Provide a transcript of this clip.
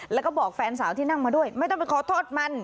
แล้วก็บอกแฟนสาวที่นั่งมาด้วยไม่ต้องไปขอโทษมัน